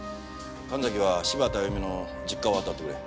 神崎は柴田亜弓の実家を当たってくれ。